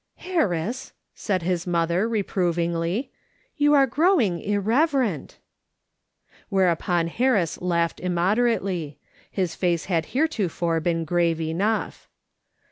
" Harris," said his mother, reprovingly, " you are growing irreverent." Whereupon Harris laughed immoderately ; his face had heretofore been grave enough.